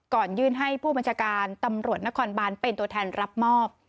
ยื่นให้ผู้บัญชาการตำรวจนครบานเป็นตัวแทนรับมอบ